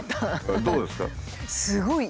どうですか？